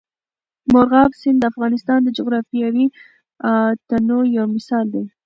مورغاب سیند د افغانستان د جغرافیوي تنوع یو مثال دی.